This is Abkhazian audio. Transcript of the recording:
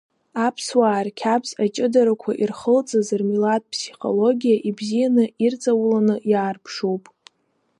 Аԥсуаа рқьабз аҷыдарақәа ирхылҵыз рмилаҭтә ԥсихологиа ибзианы, ирҵауланы иаарԥшуп.